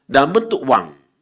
dalam bentuk uang